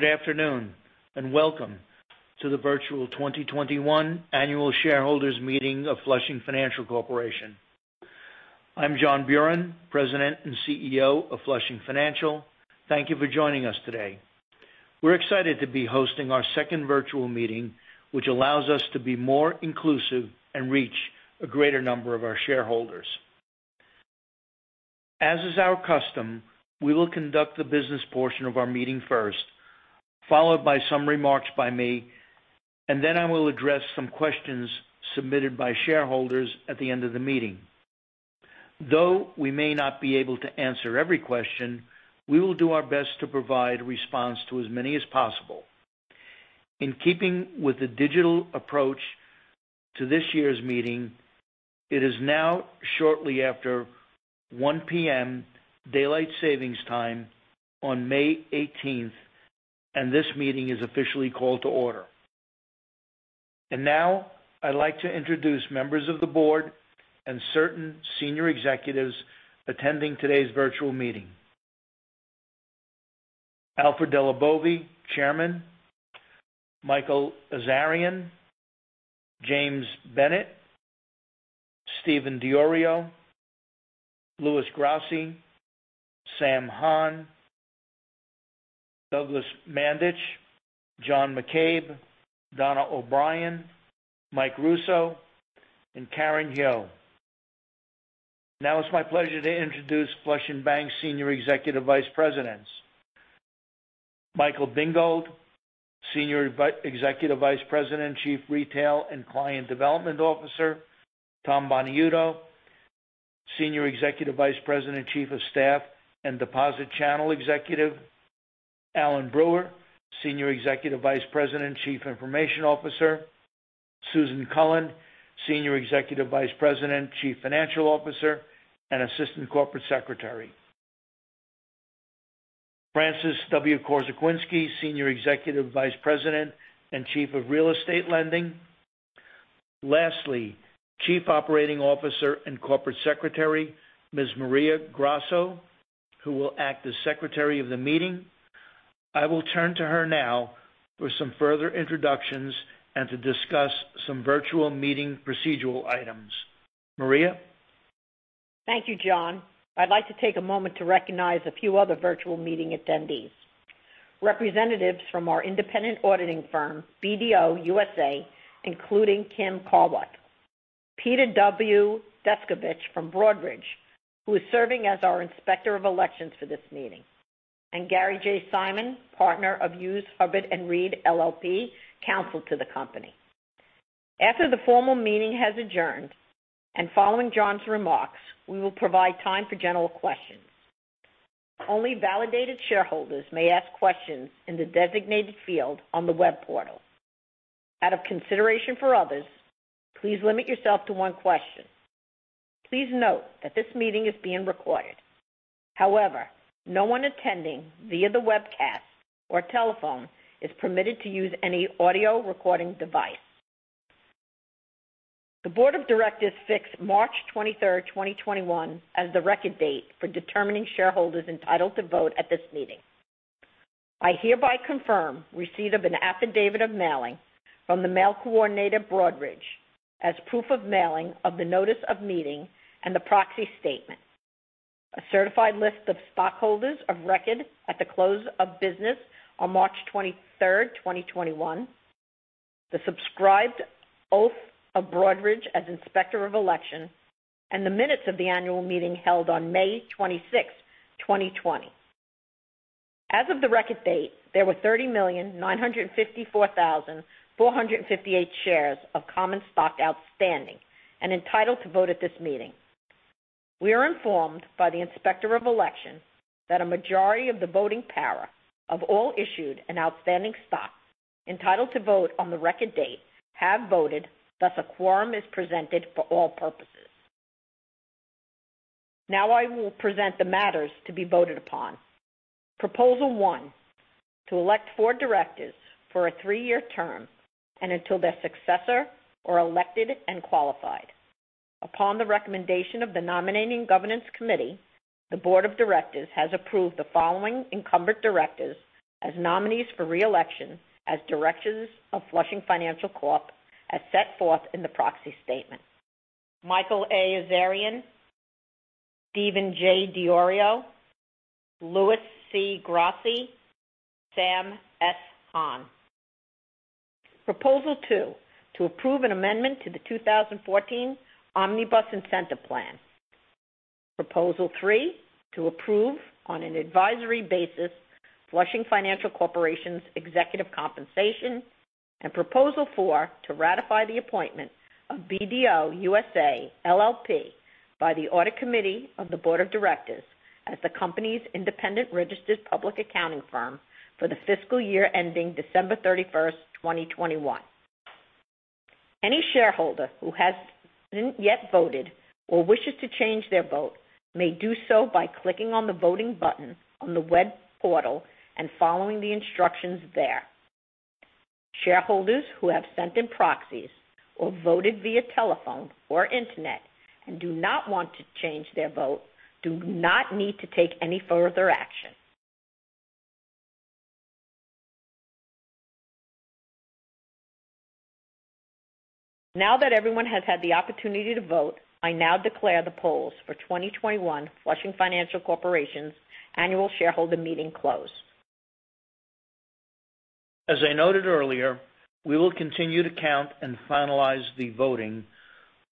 Good afternoon, and welcome to the virtual 2021 annual shareholders meeting of Flushing Financial Corporation. I'm John Buran, President and CEO of Flushing Financial. Thank you for joining us today. We're excited to be hosting our second virtual meeting, which allows us to be more inclusive and reach a greater number of our shareholders. As is our custom, we will conduct the business portion of our meeting first, followed by some remarks by me, and then I will address some questions submitted by shareholders at the end of the meeting. Though we may not be able to answer every question, we will do our best to provide a response to as many as possible. In keeping with the digital approach to this year's meeting, it is now shortly after 1:00 P.M. Daylight Savings Time on May 18th, and this meeting is officially called to order. Now I'd like to introduce members of the board and certain Senior Executives attending today's virtual meeting. Alfred DelliBovi, Chairman. Michael Azarian, James Bennett, Steven J. D'Iorio, Louis Grassi, Sam Han, Douglas Manditch, John McCabe, Donna O'Brien, Michael Russo, and Karen Hill. Now it's my pleasure to introduce Flushing Bank's Senior Executive Vice Presidents. Michael Bingold, Senior Executive Vice President and Chief Retail and Client Development Officer. Thomas Buonaiuto, Senior Executive Vice President, Chief of Staff, and Deposit Channel Executive. Allen Brewer, Senior Executive Vice President and Chief Information Officer. Susan Cullen, Senior Executive Vice President, Chief Financial Officer, and Assistant Corporate Secretary. Francis Korzekwinski, Senior Executive Vice President and Chief of Real Estate Lending. Lastly, Chief Operating Officer and Corporate Secretary, Ms. Maria Grasso, who will act as secretary of the meeting. I will turn to her now for some further introductions and to discuss some virtual meeting procedural items. Maria? Thank you, John. I'd like to take a moment to recognize a few other virtual meeting attendees. Representatives from our independent auditing firm, BDO USA, including Tim Pawlak. Peter W. Deskovich from Broadridge, who is serving as our Inspector of Elections for this meeting. Gary J. Simon, Partner of Hughes Hubbard & Reed LLP, counsel to the company. After the formal meeting has adjourned, and following John's remarks, we will provide time for general questions. Only validated shareholders may ask questions in the designated field on the web portal. Out of consideration for others, please limit yourself to one question. Please note that this meeting is being recorded. However, no one attending via the webcast or telephone is permitted to use any audio recording device. The Board of Directors fixed March 23rd, 2021, as the record date for determining shareholders entitled to vote at this meeting. I hereby confirm receipt of an affidavit of mailing from the mail coordinator, Broadridge, as proof of mailing of the notice of meeting and the proxy statement. A certified list of stockholders of record at the close of business on March 23rd, 2021, the subscribed oath of Broadridge as Inspector of Elections, and the minutes of the annual meeting held on May 26th, 2020. As of the record date, there were 30,954,458 shares of common stock outstanding and entitled to vote at this meeting. We are informed by the Inspector of Elections that a majority of the voting power of all issued and outstanding stock entitled to vote on the record date have voted, thus a quorum is presented for all purposes. Now I will present the matters to be voted upon. Proposal 1, to elect four directors for a three-year term and until their successor are elected and qualified. Upon the recommendation of the Nominating Governance Committee, the Board of Directors has approved the following incumbent directors as nominees for re-election as directors of Flushing Financial Corp. as set forth in the proxy statement. Michael A. Azarian, Steven J. D'Iorio, Louis C. Grassi, Sam S. Han. Proposal 2, to approve an amendment to the 2014 Omnibus Incentive Plan. Proposal 3, to approve on an advisory basis Flushing Financial Corporation's executive compensation. Proposal 4, to ratify the appointment of BDO USA, LLP by the Audit Committee of the Board of Directors as the company's independent registered public accounting firm for the fiscal year ending December 31st, 2021. Any shareholder who hasn't yet voted or wishes to change their vote may do so by clicking on the voting button on the web portal and following the instructions there. Shareholders who have sent in proxies or voted via telephone or internet and do not want to change their vote do not need to take any further action. Now that everyone has had the opportunity to vote, I now declare the polls for 2021 Flushing Financial Corporation's annual shareholder meeting closed. As I noted earlier, we will continue to count and finalize the voting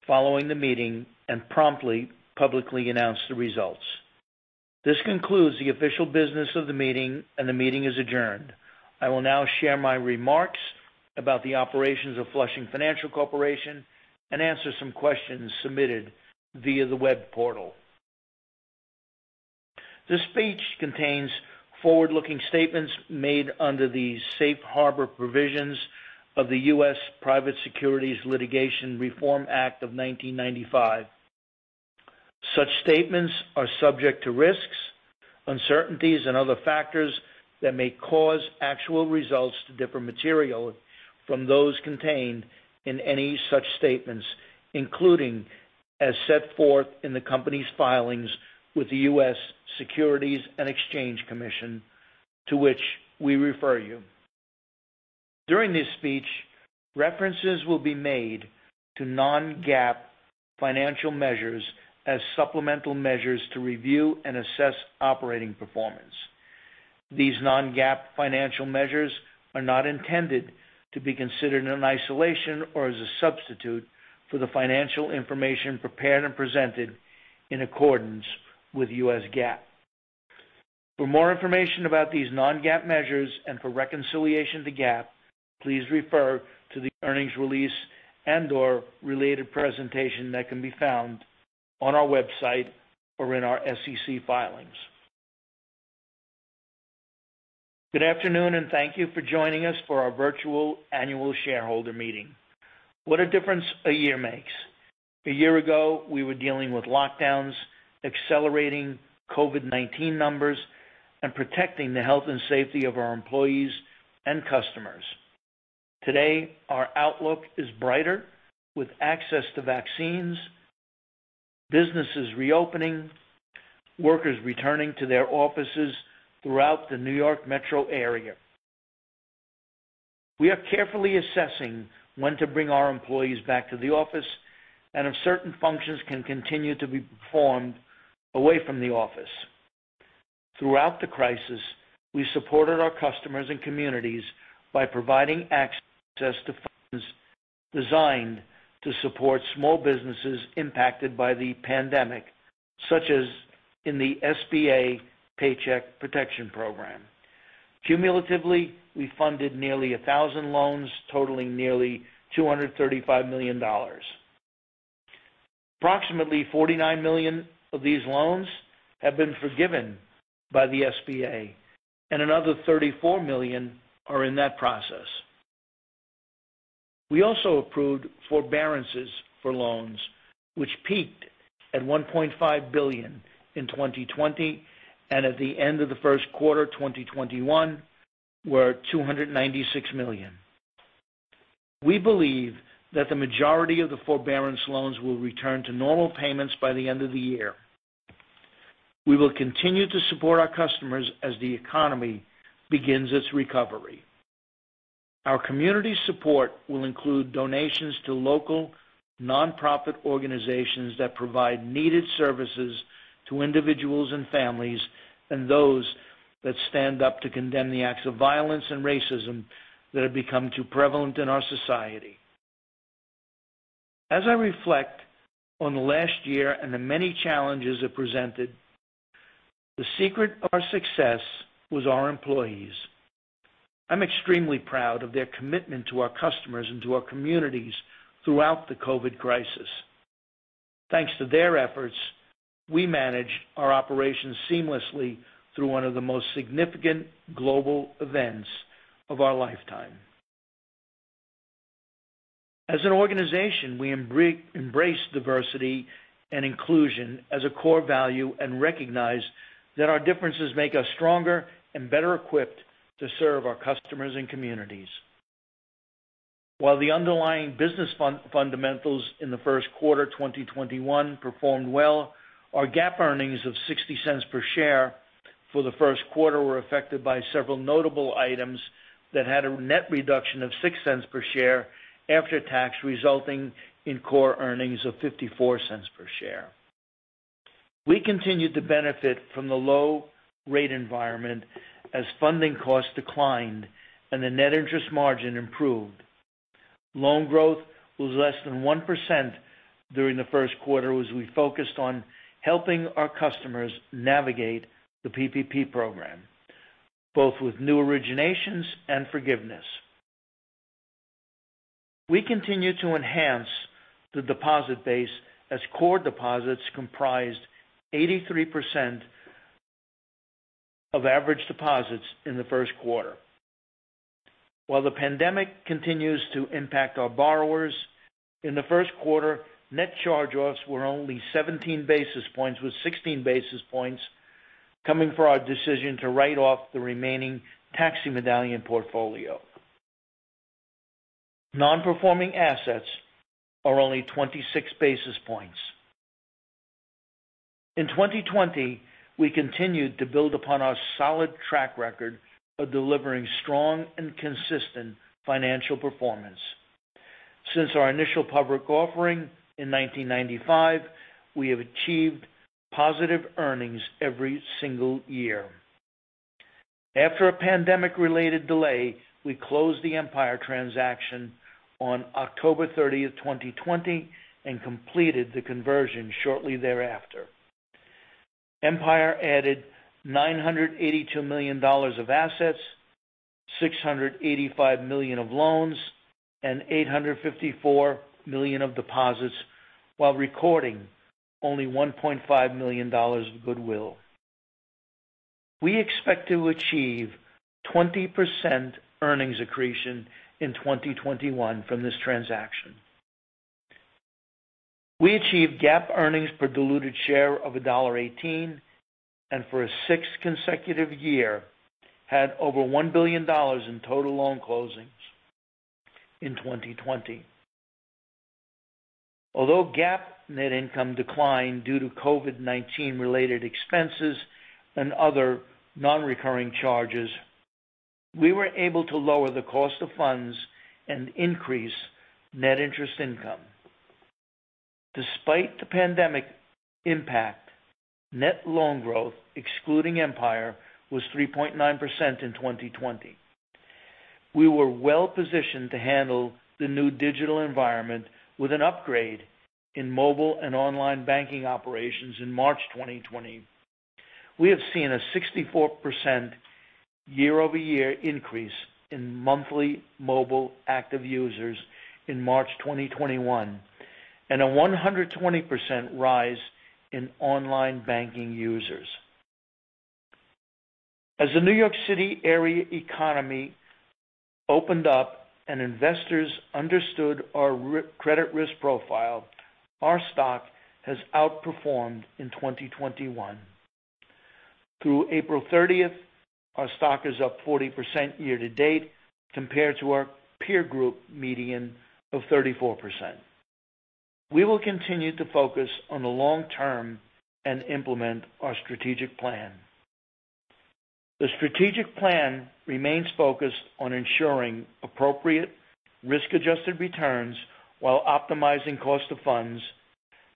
following the meeting and promptly publicly announce the results. This concludes the official business of the meeting, and the meeting is adjourned. I will now share my remarks about the operations of Flushing Financial Corporation and answer some questions submitted via the web portal. This speech contains forward-looking statements made under the Safe Harbor provisions of the U.S. Private Securities Litigation Reform Act of 1995. Such statements are subject to risks, uncertainties, and other factors that may cause actual results to differ materially from those contained in any such statements, including as set forth in the company's filings with the U.S. Securities and Exchange Commission, to which we refer you. During this speech, references will be made to non-GAAP financial measures as supplemental measures to review and assess operating performance. These non-GAAP financial measures are not intended to be considered in isolation or as a substitute for the financial information prepared and presented in accordance with U.S. GAAP. For more information about these non-GAAP measures and for reconciliation to GAAP, please refer to the earnings release and/or related presentation that can be found on our website or in our SEC filings. Good afternoon. Thank you for joining us for our virtual annual shareholder meeting. What a difference a year makes. A year ago, we were dealing with lockdowns, accelerating COVID-19 numbers, and protecting the health and safety of our employees and customers. Today, our outlook is brighter with access to vaccines, businesses reopening, workers returning to their offices throughout the New York metro area. We are carefully assessing when to bring our employees back to the office and if certain functions can continue to be performed away from the office. Throughout the crisis, we supported our customers and communities by providing access to funds designed to support small businesses impacted by the pandemic, such as in the SBA Paycheck Protection Program. Cumulatively, we funded nearly 1,000 loans totaling nearly $235 million. Approximately 49 million of these loans have been forgiven by the SBA, and another 34 million are in that process. We also approved forbearances for loans, which peaked at $1.5 billion in 2020, and at the end of the first quarter 2021, were $296 million. We believe that the majority of the forbearance loans will return to normal payments by the end of the year. We will continue to support our customers as the economy begins its recovery. Our community support will include donations to local nonprofit organizations that provide needed services to individuals and families, and those that stand up to condemn the acts of violence and racism that have become too prevalent in our society. As I reflect on the last year and the many challenges it presented, the secret of our success was our employees. I am extremely proud of their commitment to our customers and to our communities throughout the COVID crisis. Thanks to their efforts, we managed our operations seamlessly through one of the significant global events of our lifetime. As an organization, we embrace diversity and inclusion as a core value and recognize that our differences make us stronger and better equipped to serve our customers and communities. While the underlying business fundamentals in the first quarter 2021 performed well, our GAAP earnings of $0.60 per share for the first quarter were affected by several notable items that had a net reduction of $0.06 per share after tax, resulting in core earnings of $0.54 per share. We continued to benefit from the low rate environment as funding costs declined and the net interest margin improved. Loan growth was less than 1% during the first quarter as we focused on helping our customers navigate the PPP Program, both with new originations and forgiveness. We continue to enhance the deposit base as core deposits comprised 83% of average deposits in the first quarter. While the pandemic continues to impact our borrowers, in the first quarter, net charge-offs were only 17 basis points, with 16 basis points coming from our decision to write off the remaining taxi medallion portfolio. Non-performing assets are only 26 basis points. In 2020, we continued to build upon our solid track record of delivering strong and consistent financial performance. Since our initial public offering in 1995, we have achieved positive earnings every single year. After a pandemic-related delay, we closed the Empire transaction on October 30th, 2020, and completed the conversion shortly thereafter. Empire added $982 million of assets, $685 million of loans, and $854 million of deposits while recording only $1.5 million of goodwill. We expect to achieve 20% earnings accretion in 2021 from this transaction. We achieved GAAP earnings per diluted share of $1.18, and for a sixth consecutive year, had over $1 billion in total loan closings in 2020. Although GAAP net income declined due to COVID-19 related expenses and other non-recurring charges, we were able to lower the cost of funds and increase net interest income. Despite the pandemic impact, net loan growth, excluding Empire, was 3.9% in 2020. We were well-positioned to handle the new digital environment with an upgrade in mobile and online banking operations in March 2020. We have seen a 64% year-over-year increase in monthly mobile active users in March 2021, and a 120% rise in online banking users. As the New York City area economy opened up and investors understood our credit risk profile, our stock has outperformed in 2021. Through April 30th, our stock is up 40% year-to-date compared to our peer group median of 34%. We will continue to focus on the long term and implement our strategic plan. The strategic plan remains focused on ensuring appropriate risk-adjusted returns while optimizing cost of funds,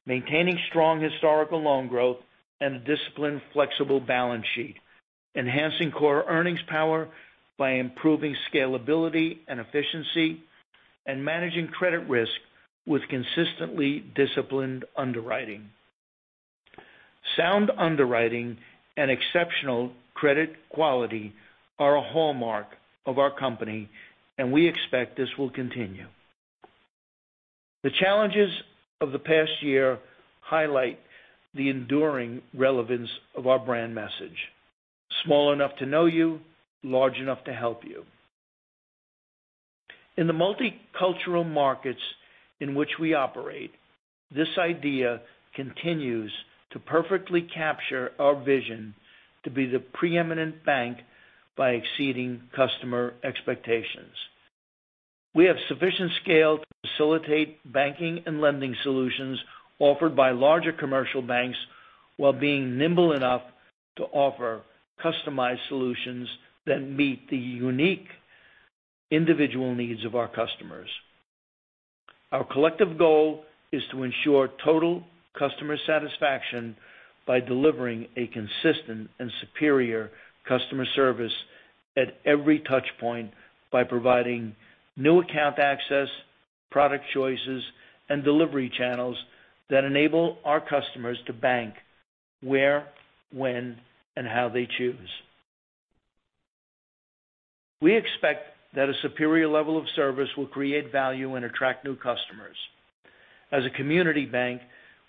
maintaining strong historical loan growth and a disciplined, flexible balance sheet, enhancing core earnings power by improving scalability and efficiency, and managing credit risk with consistently disciplined underwriting. Sound underwriting and exceptional credit quality are a hallmark of our company, and we expect this will continue. The challenges of the past year highlight the enduring relevance of our brand message, small enough to know you, large enough to help you. In the multicultural markets in which we operate, this idea continues to perfectly capture our vision to be the preeminent bank by exceeding customer expectations. We have sufficient scale to facilitate banking and lending solutions offered by larger commercial banks while being nimble enough to offer customized solutions that meet the unique individual needs of our customers. Our collective goal is to ensure total customer satisfaction by delivering a consistent and superior customer service at every touchpoint by providing new account access, product choices, and delivery channels that enable our customers to bank where, when, and how they choose. We expect that a superior level of service will create value and attract new customers. As a community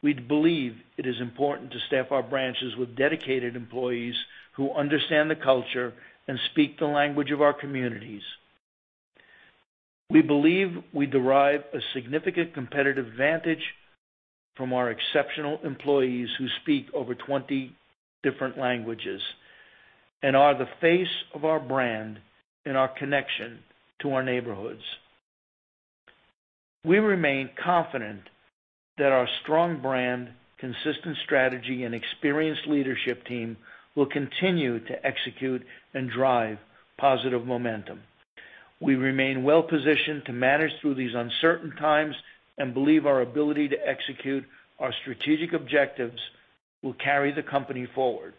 bank, we believe it is important to staff our branches with dedicated employees who understand the culture and speak the language of our communities. We believe we derive a significant competitive advantage from our exceptional employees who speak over 20 different languages and are the face of our brand and our connection to our neighborhoods. We remain confident that our strong brand, consistent strategy, and experienced leadership team will continue to execute and drive positive momentum. We remain well-positioned to manage through these uncertain times and believe our ability to execute our strategic objectives will carry the company forward.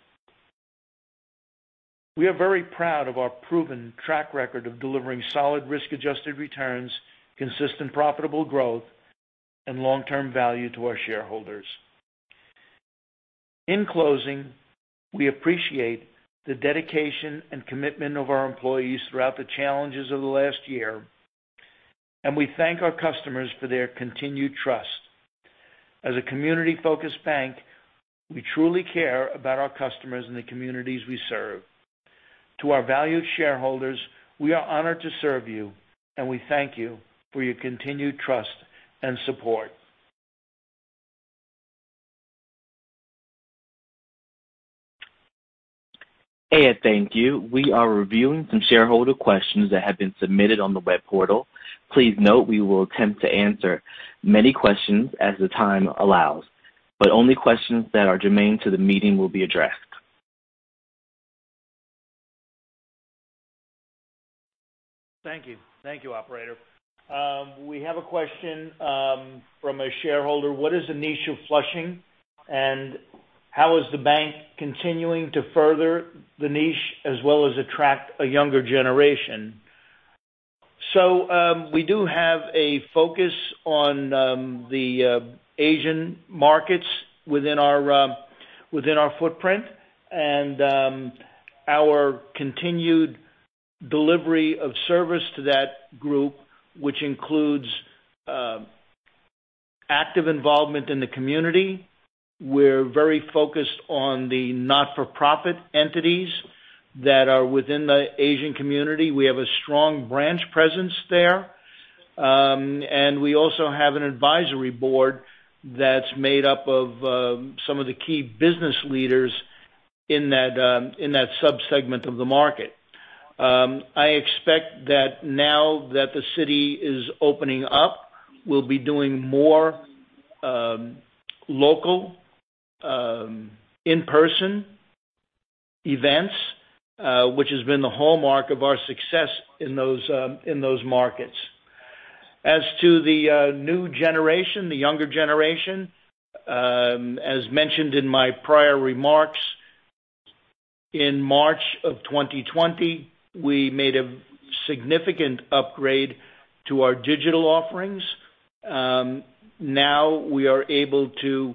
We are very proud of our proven track record of delivering solid risk-adjusted returns, consistent profitable growth, and long-term value to our shareholders. In closing, we appreciate the dedication and commitment of our employees throughout the challenges of the last year, and we thank our customers for their continued trust. As a community-focused bank, we truly care about our customers and the communities we serve. To our valued shareholders, we are honored to serve you, and we thank you for your continued trust and support. Hey, thank you. We are reviewing some shareholder questions that have been submitted on the web portal. Please note we will attempt to answer many questions as the time allows, but only questions that are germane to the meeting will be addressed. Thank you. Thank you, operator. We have a question from a shareholder. What is the niche of Flushing, and how is the bank continuing to further the niche as well as attract a younger generation? We do have a focus on the Asian markets within our footprint and our continued delivery of service to that group, which includes active involvement in the community. We're very focused on the not-for-profit entities that are within the Asian community. We have a strong branch presence there. We also have an advisory board that's made up of some of the key business leaders in that sub-segment of the market. I expect that now that the city is opening up, we'll be doing more local in-person events, which has been the hallmark of our success in those markets. As to the new generation, the younger generation, as mentioned in my prior remarks, in March of 2020, we made a significant upgrade to our digital offerings. Now we are able to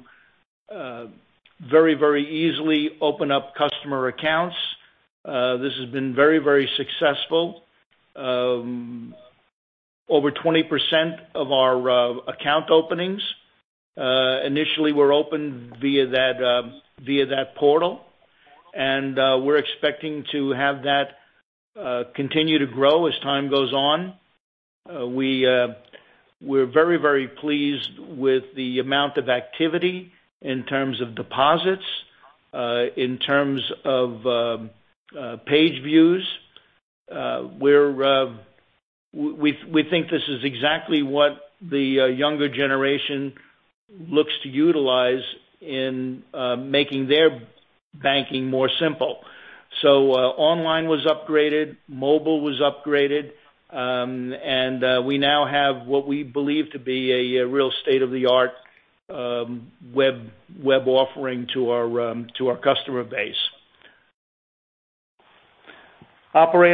very easily open up customer accounts. This has been very successful. Over 20% of our account openings initially were opened via that portal, and we're expecting to have that continue to grow as time goes on. We're very pleased with the amount of activity in terms of deposits. In terms of page views, we think this is exactly what the younger generation looks to utilize in making their banking more simple. Online was upgraded, mobile was upgraded, and we now have what we believe to be a real state-of-the-art web offering to our customer base. Operator?